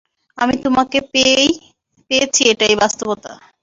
আমি তোমাকে পেয়েছি এটাই বাস্তবতা।